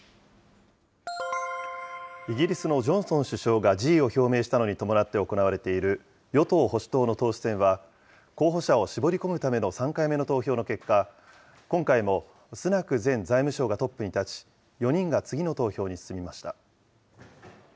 イギリスのジョンソン首相が辞意を表明したのに伴って行われている与党・保守党の党首選は、候補者を絞り込むための３回目の投票の結果、今回もスナク前財務相がトップに立ち、４人が次の投票に進みました。